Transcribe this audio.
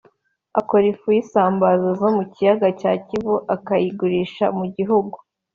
Akora ifu y’isambaza zo mu kiyaga cya Kivu akayigurisha mu gihugu